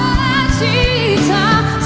sehingga siapapun kita sejati